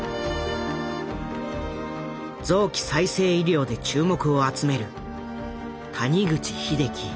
臓器再生医療で注目を集める谷口英樹。